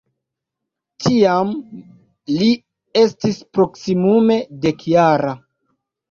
Tiam li estis proksimume dekjara.